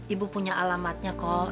ibu punya alamatnya kok